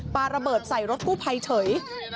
ปลาระเบิดใส่รถกู้ภัยเฉย